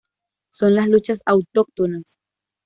Son las luchas autóctonas.